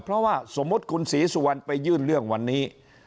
เพราะว่าสมมุติคุณศรีสุวรรณไปยื่นเรื่องวันนี้